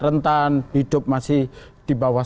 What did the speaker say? rentan hidup masih di bawah